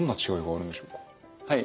はい。